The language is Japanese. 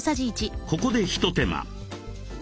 ここで一手間。